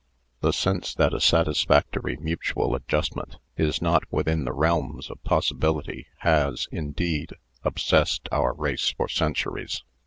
The sense that a satisfactory mutual adjustment is not within the realms of possibility has, indeed, ob sessed our race for centuries.